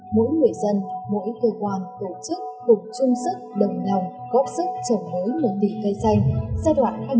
mỗi người dân mỗi cơ quan tổ chức cùng chung sức đồng lòng góp sức trồng mới một tỷ cây xanh